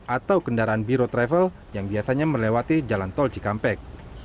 atau kendaraan biro travel yang biasanya melewati jalan tol cikampek